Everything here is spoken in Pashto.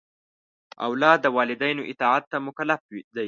اولاد د والدینو اطاعت ته مکلف دی.